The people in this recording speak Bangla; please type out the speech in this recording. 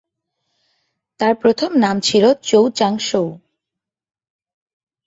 তার প্রথম নাম ছিলো চৌ চাংশৌ।